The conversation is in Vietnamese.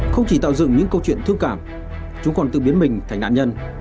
không chỉ tạo dựng những câu chuyện thương cảm chúng còn tự biến mình thành nạn nhân